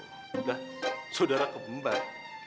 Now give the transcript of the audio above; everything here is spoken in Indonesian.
lah saudara kembar